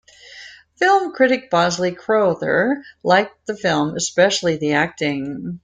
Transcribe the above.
Film critic Bosley Crowther liked the film, especially the acting.